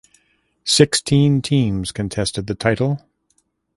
Sixteen teams contested the title.